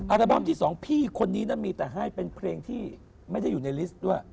บั้มที่สองพี่คนนี้นั้นมีแต่ให้เป็นเพลงที่ไม่ได้อยู่ในลิสต์ด้วย